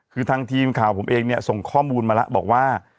คือทางทีมข่าวผมเองเนี่ยส่งข้อมูลมาแล้วบอกว่า